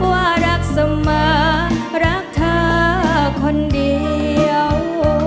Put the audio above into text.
ว่ารักเสมอรักเธอคนเดียว